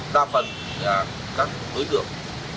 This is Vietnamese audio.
đa phần là các đối tượng